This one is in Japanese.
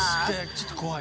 ちょっと怖い！